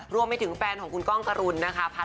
รวมไปถึงแฟนของคุณก้องกรุณนะคะ